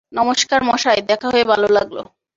নমস্কার মশাই, দেখা হয়ে ভালো লাগল।